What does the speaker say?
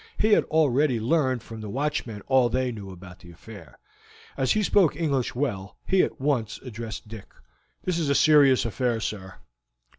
He had already learned from the watchmen all they knew about the affair. As he spoke English well, he at once addressed Dick: "This is a serious affair, sir."